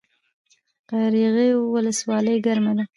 قرغیو ولسوالۍ ګرمه ده؟